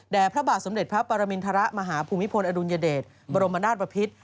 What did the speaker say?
พระบาทสมเด็จพระปรมินทรมาหาภูมิพลอดุลยเดชบรมนาศปภิษ